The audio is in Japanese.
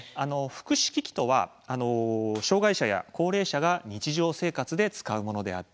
福祉機器とは障害者や高齢者が日常生活で使うもの。